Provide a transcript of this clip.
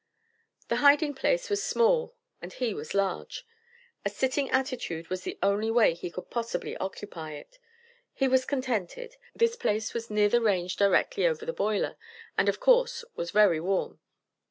The hiding place was small and he was large. A sitting attitude was the only way he could possibly occupy it. He was contented. This place was "near the range, directly over the boiler," and of course, was very warm.